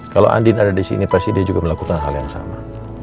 kalau andi ada disini pasti dia juga melakukan hal yang sama